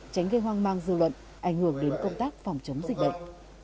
tránh gây hoang mang dư luận ảnh hưởng đến công tác phòng chống dịch bệnh